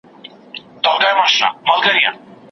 ستا د پلو په نذرانه کي دار منم درسره